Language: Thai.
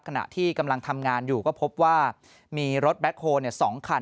ขณะที่กำลังทำงานอยู่ก็พบว่ามีรถแบ็คโฮล๒คัน